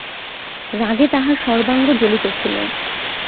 – রাগে তাঁহার সর্বাঙ্গ জ্বলিতেছিল।